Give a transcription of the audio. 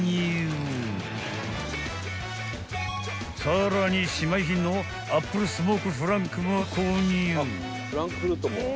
［さらに姉妹品のアップルスモークフランクも購入］